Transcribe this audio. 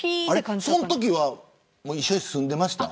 そのときは一緒に住んでましたか。